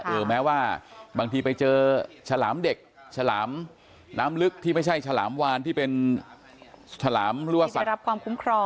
แม้ว่าบางทีไปเจอฉลามเด็กฉลามน้ำลึกที่ไม่ใช่ฉลามวานที่เป็นฉลามหรือว่าสัตว์ได้รับความคุ้มครอง